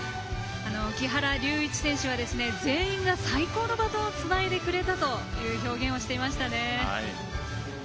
木原龍一選手は全員が最高のバトンをつないでくれたという表現をしていましたね。